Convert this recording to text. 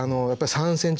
３ｃｍ。